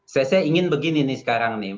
saya ingin begini nih sekarang nih